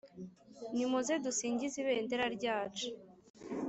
Nimuze dusingize Ibendera ryacu.